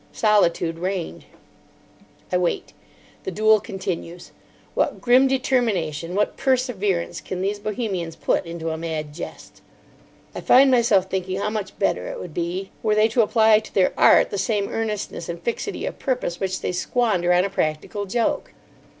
Solitude reigned. I wait. The duel continues. What grim determination, what perseverance can these Bohemians put into a mad jest! I find myself thinking how much better it would be were they to apply to their Art the same earnestness and fixity of purpose which they squander on a practical joke.